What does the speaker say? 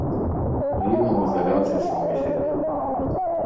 Краіна ў ізаляцыі самой сябе.